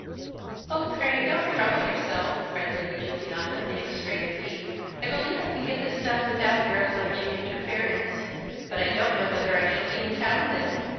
"Oh pray don't trouble yourself," cried Lady Juliana, in extreme pique. "I believe I can get this done without your obliging interference; but I don't know whether I shall be in town then."